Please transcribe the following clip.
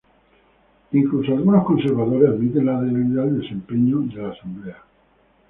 Incluso algunos conservadores admiten la debilidad del desempeño de la Asamblea.